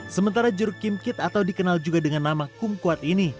sementara jeruk kimkit atau dikenal juga dengan nama kumkuat ini